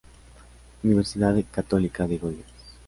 Universidade Católica de Goiás.